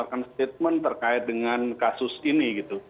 mengeluarkan statement terkait dengan kasus ini